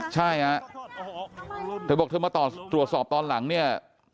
ใช่ฮะเธอบอกเธอมาตรวจสอบตอนหลังเนี่ย